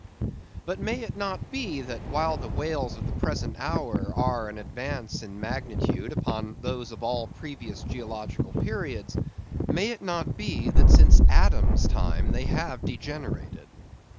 But may it not be, that while the whales of the present hour are an advance in magnitude upon those of all previous geological periods; may it not be, that since Adam's time they have degenerated?